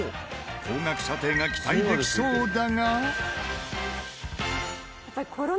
高額査定が期待できそうだが。